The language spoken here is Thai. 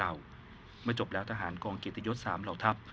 มาจบแล้วทหารกองเกษตรยศ๓เหล่าทัพ